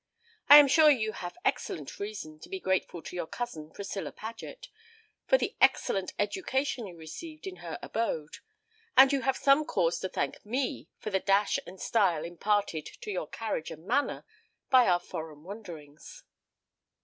I am sure you have excellent reason to be grateful to your cousin, Priscilla Paget, for the excellent education you received in her abode; and you have some cause to thank me for the dash and style imparted to your carriage and manner by our foreign wanderings."